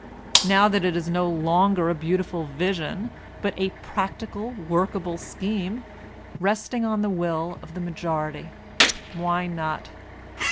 Now that it is no longer a beautiful vision, but a "practical, workable scheme," resting on the will of the majority, why not?